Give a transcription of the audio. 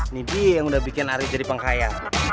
nih dia yang udah bikin aryo jadi pengkaya